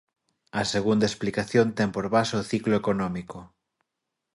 A segunda explicación ten por base o ciclo económico.